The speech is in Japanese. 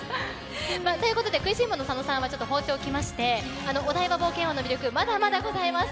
食いしん坊の佐野さんは放っておきましてお台場冒険王の魅力まだまだございます。